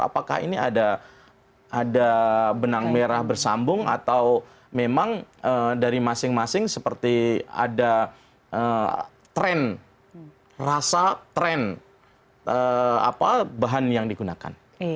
apakah ini ada benang merah bersambung atau memang dari masing masing seperti ada tren rasa tren bahan yang digunakan